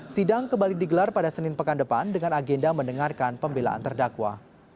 sidang kembali digelar pada senin pekan depan dengan agenda mendengarkan pembelaan terdakwa